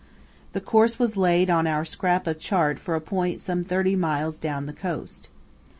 The course was laid on our scrap of chart for a point some thirty miles down the coast.